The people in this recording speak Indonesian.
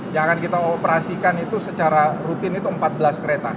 yang akan kita operasikan itu secara rutin itu empat belas kereta